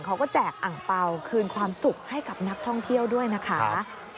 แจกอังเปล่าคืนความสุขให้กับนักท่องเที่ยวด้วยนะคะ